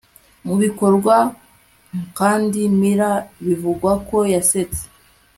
Mubikorwa Kandi Miller bivugwa ko yasetse